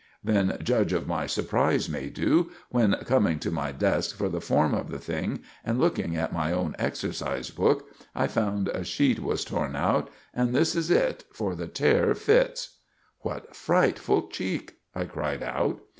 Then judge of my surprise, Maydew, when, coming to my desk for the form of the thing, and looking at my own exercise book, I found a sheet was torn out; and this is it, for the tear fits!" "What frightful cheek!" I cried out.